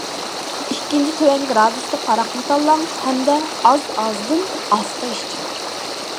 ئىككىنچى, تۆۋەن گىرادۇسلۇق ھاراقنى تاللاڭ، ھەمدە ئاز- ئازدىن ئاستا ئىچىڭ.